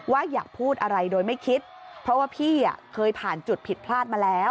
อยากพูดอะไรโดยไม่คิดเพราะว่าพี่เคยผ่านจุดผิดพลาดมาแล้ว